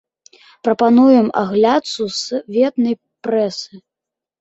Прапануем агляд сусветнай прэсы.